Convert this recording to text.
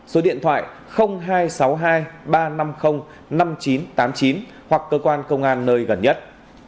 số điện thoại hai trăm sáu mươi hai ba trăm năm mươi năm nghìn chín trăm tám mươi chín hoặc cơ quan công an nơi gần nhất